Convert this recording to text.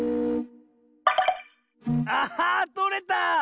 あっとれた！